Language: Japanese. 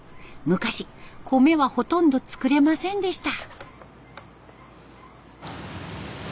昔米はほとんど作れませんでした。